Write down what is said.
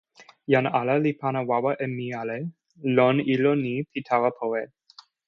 jan ala li pana wawa e mi ale lon ilo ni pi tawa powe.